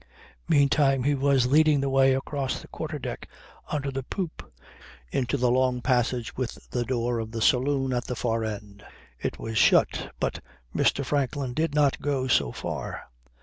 Meantime, he was leading the way across the quarter deck under the poop into the long passage with the door of the saloon at the far end. It was shut. But Mr. Franklin did not go so far.